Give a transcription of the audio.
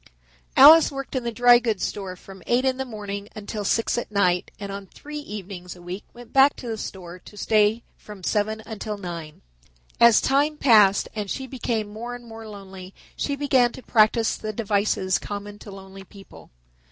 Alice worked in the dry goods store from eight in the morning until six at night and on three evenings a week went back to the store to stay from seven until nine. As time passed and she became more and more lonely she began to practice the devices common to lonely people.